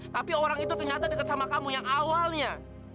tapi orang itu ternyata dekat sama kamu yang awalnya